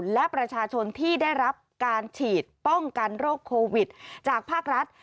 และประชาชนที่ได้รับการฉีดป้องกันโรคโควิดจากภาครัฐ